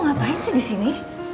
kamu mau ngapain sih disini